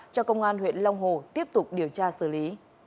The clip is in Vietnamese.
cho công an huyện long hồ tiếp tục điều tra xử lý